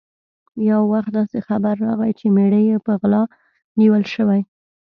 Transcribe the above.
یو وخت داسې خبر راغی چې مېړه یې په غلا نیول شوی.